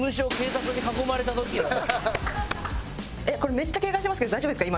めっちゃ警戒してますけど大丈夫ですか？